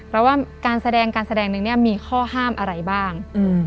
เราว่าการแสดงนึงเนี่ยมีข้อห้ามอะไรบ้าง